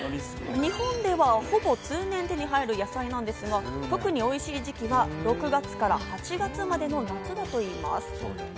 日本ではほぼ通年、手に入る野菜なんですが、特においしい時期は６月から８月までの夏場といいます。